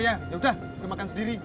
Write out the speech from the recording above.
ya udah boleh makan sendiri